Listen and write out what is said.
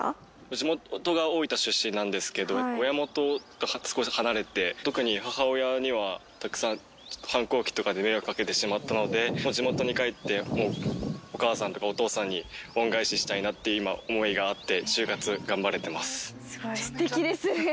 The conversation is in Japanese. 地元が大分出身なんですけど、親元をこうやって離れて、特に母親にはたくさん反抗期とかで迷惑かけてしまったので、地元に帰って、お母さんとかお父さんに恩返ししたいなっていう思いがあって、すごい、すてきですね。